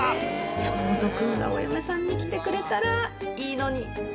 「山本君がお嫁さんに来てくれたらいいのに」